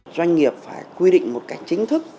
doanh nghiệp phải quy định một cảnh chính thức